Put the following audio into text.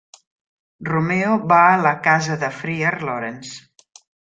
Romeo va a la casa de Friar Lawrence.